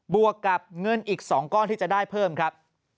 วกกับเงินอีก๒ก้อนที่จะได้เพิ่มครับ